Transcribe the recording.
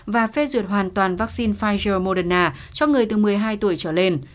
và phê duyệt hoàn toàn vaccine pfizer moderna cho người từ một mươi hai tuổi trở lên